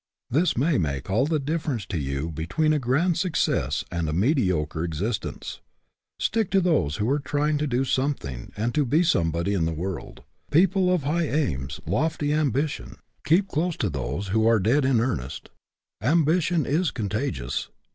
This may make all the difference to you be tween a grand success and a mediocre exis tence. Stick to those who are trying to do something and to be somebody in the world, people of 'high aims, lofty ambition. Keep GETTING AROUSED 27 close to those who are dead in earnest. Am bition is contagious.